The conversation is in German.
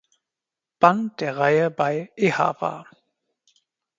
Band der Reihe bei Ehapa.